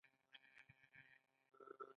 د بګرام هوايي ډګر په پروان کې دی